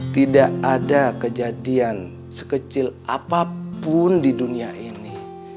tidak ada kejadian sekecil apapun di dunia ini